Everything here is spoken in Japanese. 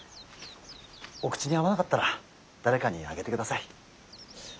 お口に合わなかったら誰かにあげてください。